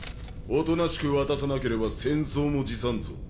おとなしく渡さなければ戦争も辞さんぞ。